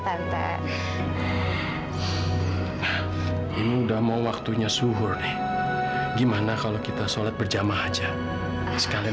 tante mudah mau waktunya suhur nih gimana kalau kita sholat berjamaah aja sekalian